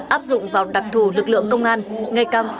áp dụng vào đặc thù lực lượng công an nhân dân